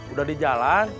udah di jalan